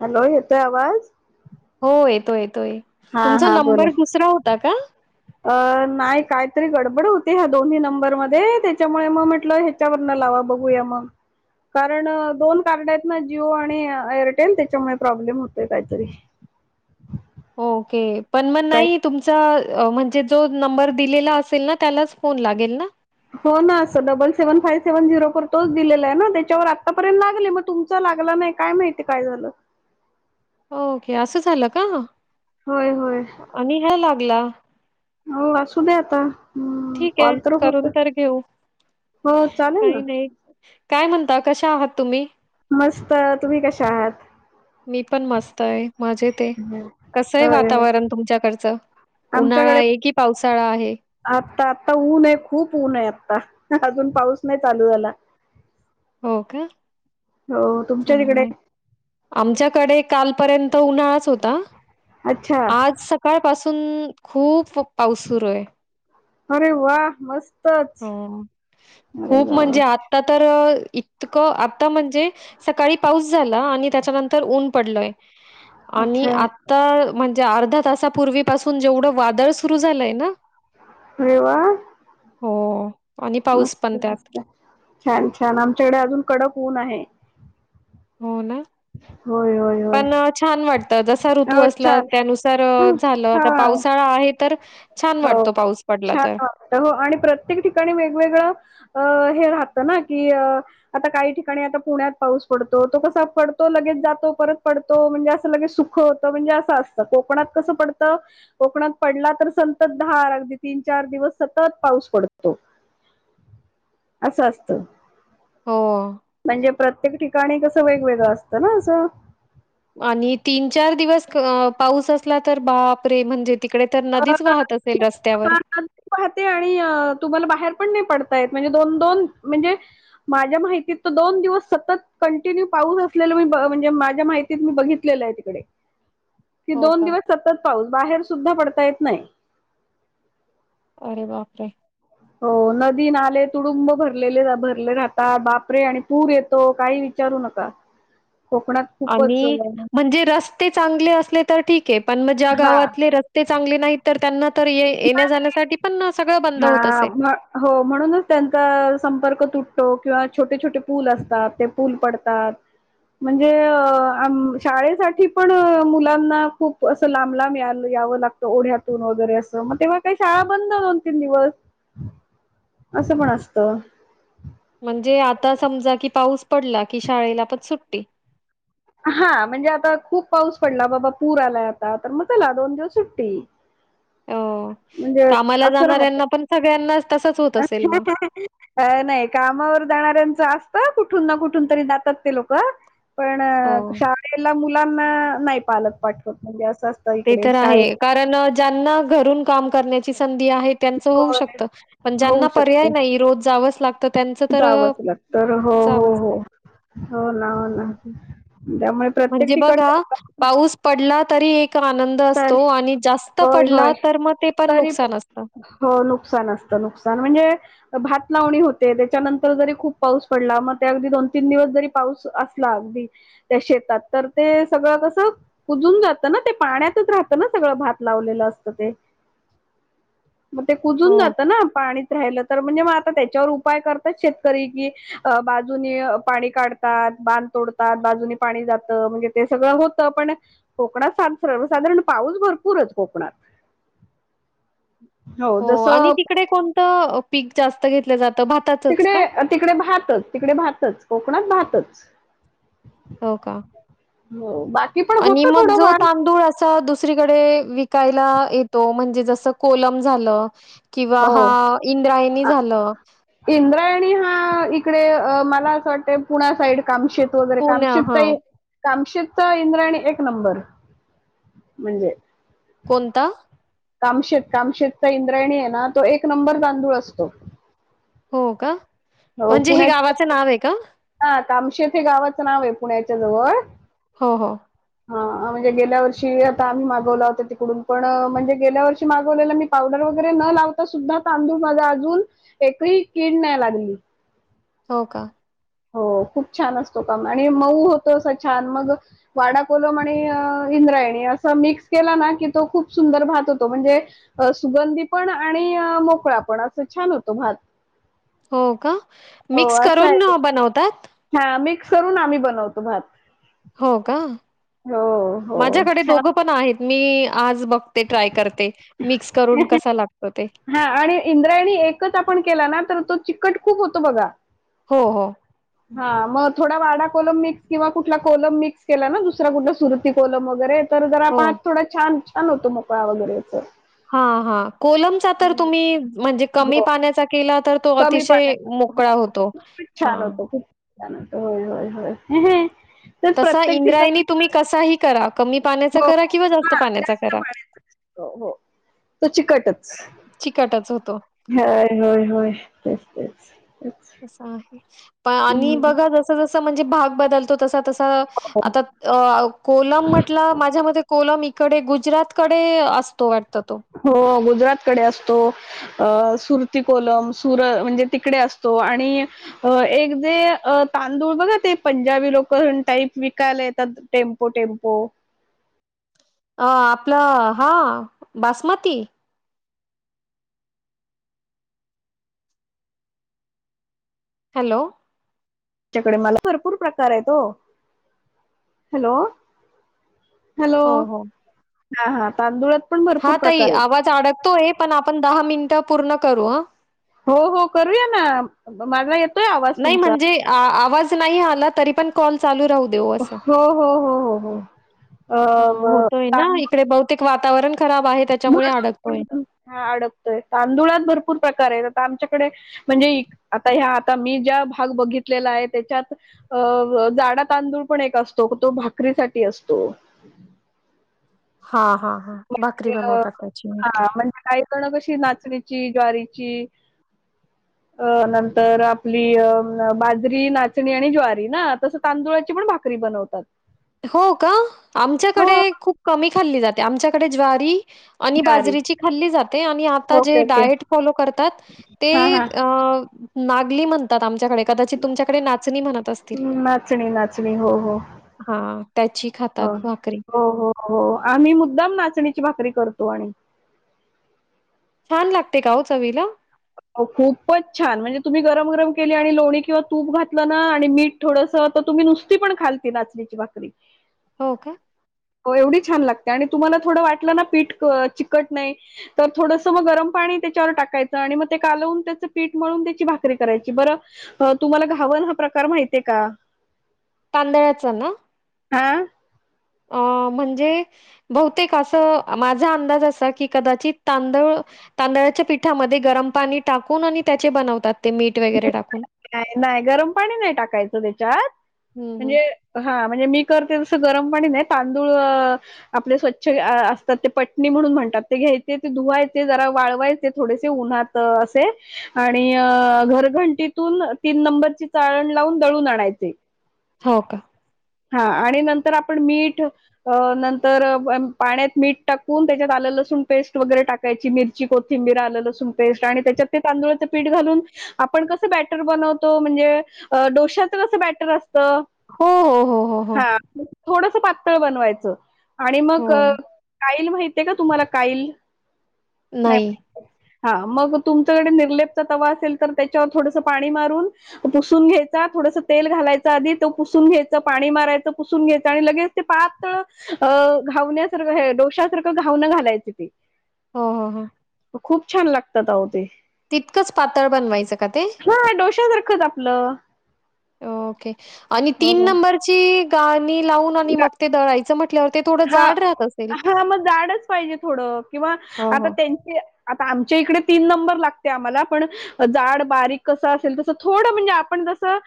Hello येतोय आवाज. हो येतो येतोय हा तुमचा हा बोला नंबर दुसरा होता का? अ नाही कायतरी गडबड होती ह्या दोन्ही नंबर मध्ये त्याच्यामुळे मग म्हटलं ह्याच्यावरन लावा, बघूया म. कारण दोन कार्ड येत ना जिओ आणि एअरटेल त्याच्यामुळे प्रॉब्लेम होतय काहीतरी. ओके पण मग काय नाही तुमचा म्हणजे जो नंबर दिलेला असेल ना त्यालाच फोन लागेल ना. हो ना असं double seven five seven zero तोच दिलेलाय ना त्याच्यावर आतापर्यंत लागले मग तुमचा लागलं नाही काय माहिती काय झालं. ओके असं झालं का? होय होय. आणि ह्या लागला. हो असू दे आता. हम्म ठीके कॉल तर होत करून तर घेऊ हो चालेल ना काही नाही काय म्हण ता कशा आहात तुम्ही? मस्त तुम्ही कशा आहात. मी पण मस्तये मजेते कसय होय होय वातावरण तुमच्याकडचं. उन्हाळा आमच्याकडे आहे कि पावसाळा आहे. आता आता ऊने खूप ऊने आता अजून पाऊस नाही चालू झाला. हो का? हो तुमच्या चांगलं तिकडे. आहे. आमच्याकडे कालपर्यंत उन्हाळाच होता अच्छा आज सकाळपासून खूप पाऊस सुरूये. अरे वाह मस्त. ह खूप वा म्हणजे आता तर इतकं आता म्हणजे सकाळी पाऊस झाला आणि त्याच्यानंतर ऊन पडलय आणि अच्छा आता म्हणजे अर्धा तासापूर्वी पासून जेवढं वादळ सुरु झालंय ना, अरे वा. हो. आणि पाऊस मस्त पण त्यात. मस्त छान छान आमच्याकडे अजून कडक ऊन आहे. हो ना? होय, होय, होय. पण अ, छान वाटतं जसा ऋतू हो असला छान त्यानुसार हा झालं आता हा. पावसाळा आहे तर छान हो वाटतो पाऊस पडला छान तर. वाटत हो आणि प्रत्येक ठिकाणी वेगवेगळं अ राहत ना की आता काही ठिकाणी आता पुण्यात पाऊस पडतो तो कसा पडतो, लगेच जातो फरक पडतो म्हणजे असं लगेच सुख होतं, म्हणजे असं असतं कोकणात कसं पडतं, कोकणात पडला तर सन सतत दार अगदी तीन, चार दिवस सतत पाऊस पडतो. अस असत. हो. म्हणजे प्रत्येक ठिकाणी कसं वेगवेगळं असतं ना असं आणि तीन, चार दिवस पाऊस असला तर बापरे! म्हणजे तिकडे तर नदीच वाहत असेल रस्त्यावर? वाहते आणि तुम्हाला बाहेर पण नाही पडता येत म्हणजे दोन-दोन म्हणजे माझ्या माहितीत दोन दिवस सतत कंटिन्यू पाऊस असलेल मी म्हणजे माझ्या माहितीत मी बघितलेलं आहे तिकडे. कि हो दोन का? दिवस सतत पाऊस बाहेर सुद्धा पडता येत नाही. अरे बापरे! हो नदी, नाले तुडुंब भरलेले भरले राहतात. बापरे! आणि पूर येतो काही विचा करू नका. [inaudible] कोकणात खूपच आणि म्हणजे रस् रस्ते चांगले असले तर ठीक आहे पण मग ज्या हा गावातले रस्ते चांगले नाहीत तर त्यांना तर ये-येण्या, जाण्यासाठी पण सगळं बंद होत हा, असेल. हो. म्हणूनच त्यांचा संपर्क तुट तात किंवा छोटे-छोटे पूल असतात ते पूल पडतात. म्हणजे शाळेसाठी पण मुलांना खूप अस लांब-लांब या याव लागतओढ्यातून वगैरे अस मग तेव्हा काही शाळा बंद तीन दिवस असं पण असत. म्हणजे आता समजा कि पाऊस पडला की शाळेला पण सुट्टी. हां. म्हणजे आता खूप पाऊस पडला बाबा पूर आलाय आता तर मग चला दोन दिवस सुट्टी. हो म्हणजे कामाला असं जाणाऱ्यांना पण सगळ्यांना तस अ नाही कामावर जाणारऱ्यांच असतं कुठून ना कुठंन तरी जातात ते लोक पण हो शाळेला नां नाही पालक पाठवत म्हणजे अस ते तर आहे कारण ज्यांना घरून काम करण्याची स धी आहे त्यांच होऊ होय शकत पण ज्यांना होऊ पर्याय शकत नाही रोज जावंच लागतं तर त्यांचं तर जावंच लागत तर हो हो जावंच हो हो ना हो ना लागत त्यामुळे प्रत्येक म्हणजे ठिकाण बघा पाऊस पडला तरी एक आनंद तर असतो आणि जास्त होय, पडला होय तर मग ते पण तरी नुकसान असतं. हो नुकसान असत. नुकसान म्हणजे भात लावणी होते त्याच्यानंतर जरी खूप पाऊस पडला मग ते अगदी दोन, तीन दिवस जरी पाऊस असला अगदी त्या शेतात तर ते सगळं कसं कुजून जात ना ते पाण्यात राहत ना सगळं भात लावलेलं असतं ते. मग ते कुजून हो, जातं ना पाणीत राहिलं तर म्हणजे त्याच्यावर उपाय करतात, शेतकरी की बाजूनी पाणी काढतात बांध तोडतात. ज पाणी जात म्हणजे ते सगळं होत पण कोकणात स साधारण पाऊस भरपूर ये कोकणात. हो, आणि तिकडे कोणतं पीक जास्त घेतले जात? तिकडे तिकडे भातच तिकडे भातच कोकणात भातच. हो, का? हो बाकी पण आणि होतं मग जो थोडंफार तांदूळ अस दुसरीकडे विकायला येतो, म्हणजे जस कोलम झालं किंवा हो हा इंद्रायणी झालं. अ इकडे मला असं वाटतय पुण्या साईड काम शेत वगैरे काम पुण्या शीकत हां. ये काम शीक फत इंद्राणी एक नंबर, म्हणजे कोणता? कामशेत कामशेतचा इंद्रायणी आहे ना तो एक नंबर तांदूळ असतो. हो का, हो म्हणजे हे पुण्यात गावाचं नाव हाय का? हा आता कामशथे गावाचं नाव आहे पुण्याच्या जवळ हो हो. हा म्हणजे गेल्या वर्ष आता आम्ही मागवला होता तिकडून पण म्हणजे गेल्या वर्षी मागवलेला मी पावडर वगैरे न लावता सुद्धा तांदूळ मझा अजून एकही कीड नाही लागली. हो का? हो खूप छान असतो काम आणि मऊ होतो असं छान मग वाडा कोलम आणि इंद्रायणी अस मिक्स केला ना की तो खूप सुंदर भात होतो म्हणजे सुगंधी पण आणि मोकळा आपण असं छान होतो भात. हो का हो मिक्स करून बनवतात. सरून आम्ही बनवतो भात. हो का, हो हो माझ्याकडे छान दोघं पण आहेत मी आज बघ ट्राय कर मिक्स करून कसा लाग हा आणि इंद्रायणी एकच आपण केला ना तर तो चिकट खूप होतो बघा. हो हो. हा मग. थोडा वाडा कोलम मिक्स किंवा कुठला कोलम मिक्स केला ना दुसरा कुठला सुरती कोलम वगैरे. तर जरा हो. पात थोडा छान छान होतो मोकळा वगैरेच. हा हा कोलमचा तर तुम्ही म्हणजे कमी हो पाण्याचा केला तर. तो कमी अतिशय पाण्यात हो मोकळा होतो, खूपच हा. छान होतो खूप होय होय होय. तेच तसा प्रत्येक इंद्रायणी ठिकाण तुम्ही कसाही करा कमी पाण्याचा हो करा किंवा जास्त हा पाण्याचा जास्त करा. पाण्याच हो तो चिकटच, चिकटच होतो. होय होय होय. [unintelligible] तास आहे, पहा आणि हम्म बघा जस जसं म्हणजे भाग बदलतो तसा तसा अ आता कोलम म्हटल माझ्या मते कोलम कडे गुजरात कडे असतो वाट हो गुजरात कडे असतो. सुरती कोलम सुर म्हणजे तिकडे असतो आणि एक जे अ तां तांदूळ बघा ते पंजाबी लोक टाईप विकायला येतात टेम्पो टेम्पो. अ आपलं हा बासमती. हॅलो. त्याच्याकडे मला भरपूर प्रकार आहे त ओ, हॅलो. हॅलो हो हो. हा हा तांदुळ हा ताई आवाज अडकतोय पण आपण दहा मिनिटं पूर्ण करू हा. हो हो करूया ना माझा आवाज नाही तुमचा म्हणजे आवाज नाही आला तरी पण कॉल चालू राहू दे असं. हो हो हो हो हो, अ ब [unintelligible] वातवरण. हा अडकतोय, तांदुळात भरपूर प्रकार आहेत आता आमच्याकडे म्हणजे आता ह्या आता मी ज्या भाग बघितलेला आहे त्याच्यात अ जाडा तांदूळ पण एक असतो तो भाकरीसाठी असतो. [inaudible] हा हा भाकरी बनवतात [unintelligible] त्याची हा ओके म्हणजे काही जण कशी ती नाचणीची ज्वारीची [inaudible] अ नंतर आपली अ बाजरी, नाचणी आणि ज्वारी ना तस तांदुळाची पण भाकरी बनवतात. हो का हो आमच्याकडे खूप कमी खाल्ली जाते आमच्याकडे ज्वारी आणि ज्वारी बाजरीची खाल्ली जाते, आणि आ ओके जे ओके डायट फॉलो करतात ते हा हा अ नागली म्हणतात आमच्याकडे कदाचित तुमच्याकडे नाचणी म्हणत असतील. नाचणी नाचणी हो हो हां, त्याची हो खातात भाकरी. हो हो हो आम्ही मुद्दाम नाचणीची भाकरी करत तो आणी. छान लागते का हो चवीला? खूपच छान म्हणजे, तुम्ही गरम, गरम केली आणि लोणी किंवा तूप घातलं ना, आणि मीठ थोड स तुम्ही नुसती पण खाल ती नाचणीची भाकरी. हो का? हो एवढी छान लागते, आणि तुम्हाला थोडं वाटलं ना पीठ चिकट नाही, तर थोडंस मग गरम पा नी त्याच्यावर टाकायाचं आणि मग ते कालवून त्याच पीठ मळून त्याची भाकरी करायची बर अ तुम्हाला घावन हा प्रकार माहितेय का? तांदळाचा ना? हा. अ, म्हणजे बहुतेक अस माझा अंदाज असा की कदाचित तांदळ तांदळा च्या पिठामध्ये गरम पाणी टाकून आणि त्याचे बनवतात, ते मीठ वगैरे टाकुन. नाही, नाही, गरम पाणी नाही टाकायचं त्याच्यात हं, हं. म्हणजे हा म्हणजे मी कर जस गरम पाणी नाही तांदूळ अ आपले स्वच्छ असतात ते पटणी म्हणून म्हणतात ते घ्याय ते धुवायचे जरा वाळवायचे, थोडेसे उन्हात असे आणि अ घरघंटीत ते तुन तीन नंबरची चाळण लावून दळून आणायचे. हो का? हा आणि नंतर आपण मीठ अ नंतर पाण्यात मीठ टाकून त्याच्यात आलं लसूण पेस्ट वगैरे टाकायची, मिरची कोथिंबीर आलं लसूण पेस्ट, आणि त्याच्यात ते तांदुळाचं पीठ घालून आपण कसं बॅटर बनवतो, म्हणजे डोश्याच कसं बॅटर अस हो हो. हो, हो. हा थोडस पातळ बनवायचं, आणि मग हो काइ काईल माहितीे का, तुम्हाला काईल? नाही. हा मग तुमच्याकडे निर्लेप चा तवा असेल तर, त्याच्यावर थोडस पाणी मारून पुसून घ्यायचा थोडस तेल घालाय च आधी तो पुसून घ्याय पाणी मारायच पुसून घ्यायचं, आणि लगेच ते पातळ घावण्यासारंख डोशा सारखं घाव घावन घालायच ते. हो हो हो. खूप छान लागतात अहो ते. तितकंच पातळ बनवायचं का ते? खज आपलं ओके आणि तीन हो. नंबरची गाळणी लावून आणि मग ते दळायचं म्हट हा हा मग जाडच पाहिजे थोडं किंवा हो, आता हो. त्यांची आता आमच्या इकडे तीन नंबर लागते आम्हाला पण जाड बारीक कसं असेल तसं थोडं म्हणजे आपण कसं!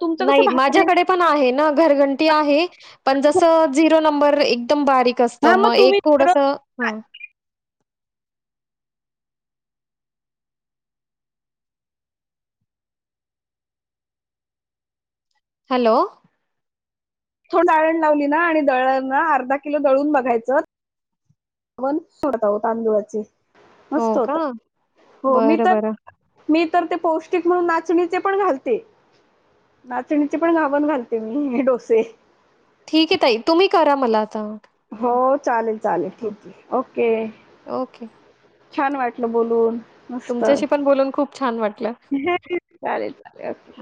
तुमचं नाही भाकरी माझ्याकडे पण आहे ना घरघंटी आहे पण जस झिरो नंबर एक एकदम बारीक असत, हा मग एक तुम्ही थोडं थोडस ह‌. हॅलो. थो डाळण लावली ना आणि दळण ना अर्धा किलो दळून बघायचं वन सोडता ओ तांदुळाचे हो मस्त का? होता हो मी बरं, तर बरं. मी तर ते पौष्टिक म्हणून नाचणीचे पण घालते. नाचणीचे पण घावण घालते मी डोसे. ठीक आहे ताई तुम्ही करा मला आता. हो, चालेल चालेल ठीक आहे ओके! ओके. छान! वाटलं बोलून. मस्त! तुमच्याशी पण बोलून खूप छान वाटलं. चालेल चालेल.